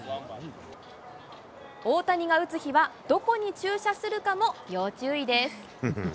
大谷が打つ日はどこに駐車するかも要注意です。